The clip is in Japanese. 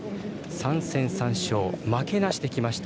３戦３勝負けなしできました。